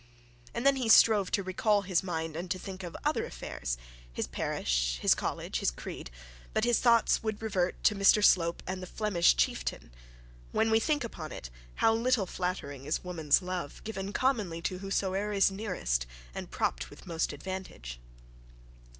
And then he strove to recall his mind and to think of other affairs, his parish, his college, his creed but his thoughts would revert to Mrs Bold and the Flemish chieftain: When we think upon it How little flattering is woman's love, Given commonly to whosoe'er is nearest And propped with most advantage.